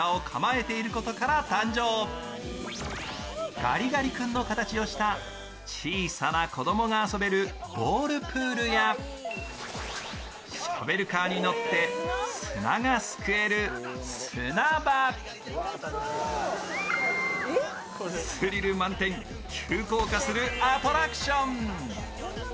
ガリガリ君の形をした小さな子どもが遊べるボールプールやショベルカーに乗って砂がすくえる砂場、スリル満点、急降下するアトラクション。